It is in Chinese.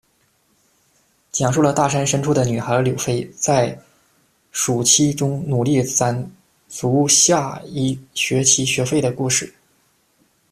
讲述了大山深处的女孩柳菲，在暑期中努力攒足下一学期学费的故事。